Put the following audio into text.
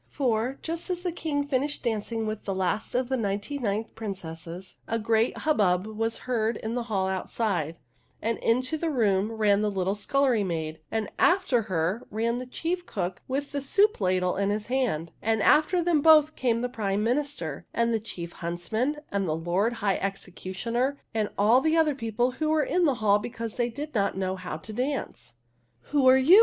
For, just as the King finished dancing with the last of the ninety nine princesses, a great hubbub was heard in the hall outside ; and into the room ran the little scullery maid, and after her ran the chief cook with the soup ladle in his hand, and after them both came the Prime Minister, and the chief huntsman, and the Lord High Executioner, and all the other people who were in the hall because they did not know how to dance. THE HUNDREDTH PRINCESS 67 " Who are you